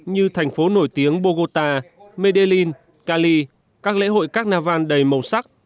như thành phố nổi tiếng bogota medellín cali các lễ hội các navan đầy màu sắc